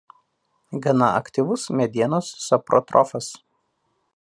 Gana aktyvus medienos saprotrofas.